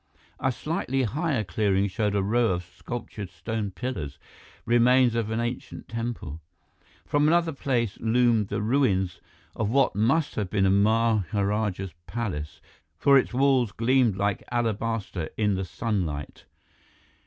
A slightly higher clearing showed a row of sculptured stone pillars, remains of an ancient temple. From another such space loomed the ruins of what must have been a maharajah's palace, for its walls gleamed like alabaster in the sunlight.